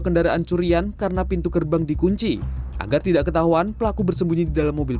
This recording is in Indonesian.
kendaraan curian karena pintu gerbang dikunci agar tidak ketahuan pelaku bersembunyi di dalam mobil